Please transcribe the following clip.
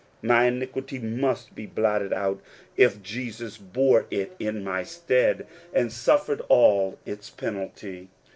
My iniquity mU^ be blotted out if Jesus bore it in my stead, al^ suffered all its penalty.